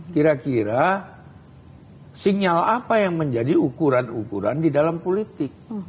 kira kira sinyal apa yang menjadi ukuran ukuran di dalam politik